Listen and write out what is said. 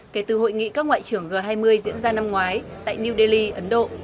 kể từ hội nghị các ngoại trưởng g hai mươi diễn ra năm ngoái tại new delhi ấn độ